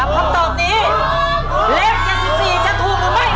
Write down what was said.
คำตอบนี้เลข๗๔จะถูกหรือไม่